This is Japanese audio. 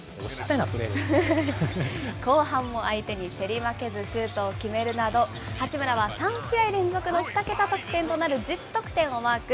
後半も相手に競り負けず、シュートを決めるなど、八村は３試合連続の２桁得点となる１０得点をマーク。